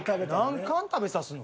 何貫食べさすの？